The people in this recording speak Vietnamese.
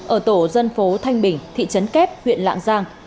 ở tổ dân phố thanh bình thị trấn kép huyện lạng giang